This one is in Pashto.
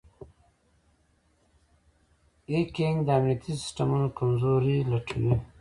هیکنګ د امنیتي سیسټمونو کمزورۍ لټوي.